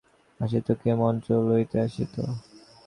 তাঁহার নিকটে কেহ উপদেশ লইতে আসিত, কেহ মন্ত্র লইতে আসিত।